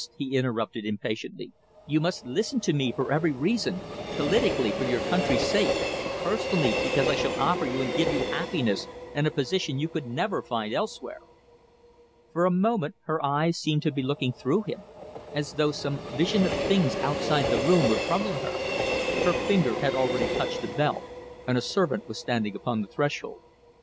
he interrupted impatiently. "You must listen to me for every reason politically for your country's sake, personally because I shall offer you and give you happiness and a position you could never find elsewhere." For a moment her eyes seemed to be looking through him, as though some vision of things outside the room were troubling her. Her finger had already touched the bell and a servant was standing upon the threshold.